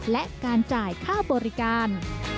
และการจ่ายค่าบริการ